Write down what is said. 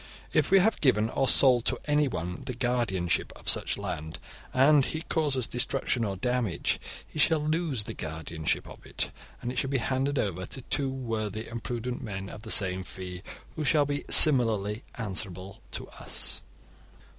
If we have given or sold to anyone the guardianship of such land, and he causes destruction or damage, he shall lose the guardianship of it, and it shall be handed over to two worthy and prudent men of the same 'fee', who shall be similarly answerable to us.